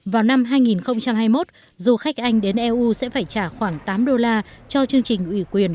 vào năm hai nghìn hai mươi một du khách anh đến eu sẽ phải trả khoảng tám đô la cho chương trình ủy quyền